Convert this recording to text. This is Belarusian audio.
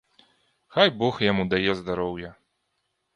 Хай бог яму дае здароўя.